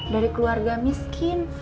dari keluarga miskin